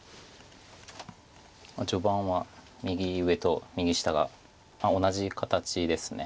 序盤は右上と右下が同じ形です。